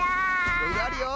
いろいろあるよ。